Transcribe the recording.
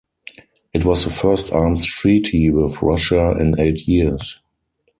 It was the first arms treaty with Russia in eight years.